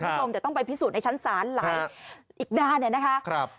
คุณผู้ชมแต่ต้องไปพิสูจน์ในชั้นศาลหลายอีกด้านเนี่ยนะคะ